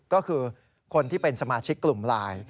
ก็คือคนที่เป็นสมาชิกกลุ่มไลน์